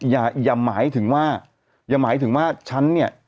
อย่าหมายถึงว่าอย่าหมายถึงว่าฉันเนี่ย